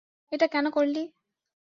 এটা কেন করলি?